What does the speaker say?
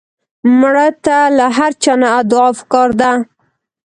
مړه ته له هر چا نه دعا پکار ده